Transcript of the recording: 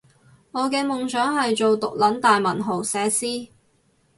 我嘅夢想係做毒撚大文豪寫詩